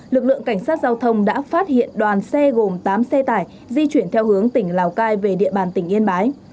lực lượng cảnh sát giao thông đã phát hiện đoàn xe gồm tám xe tải di chuyển theo hướng tỉnh lào cai về địa bàn tỉnh yên bái